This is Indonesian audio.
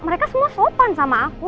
mereka semua sopan sama aku